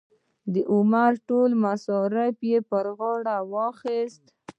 د عمرې ټول مصارف یې په غاړه واخیستل.